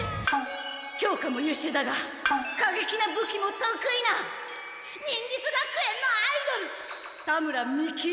教科も優秀だがかげきな武器もとくいな忍術学園のアイドル田村三木ヱ門。